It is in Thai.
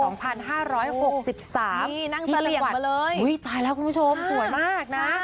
นี่นั่งสลิดมาเลยอุ้ยตายแล้วคุณผู้ชมสวยมากนะ